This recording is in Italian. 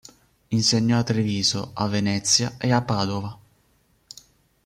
Insegnò a Treviso, a Venezia e a Padova.